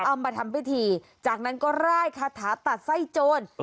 เอามาทำพิธีจากนั้นก็ร่ายคาถาตัดไส้โจร